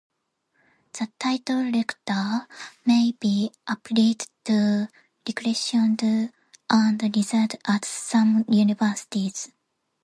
The title "lector" may be applied to lecturers and readers at some universities.